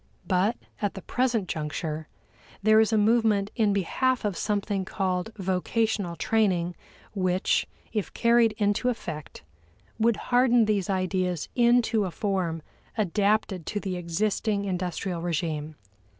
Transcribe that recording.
But, at the present juncture, there is a movement in behalf of something called vocational training which, if carried into effect, would harden these ideas into a form adapted to the existing industrial regime.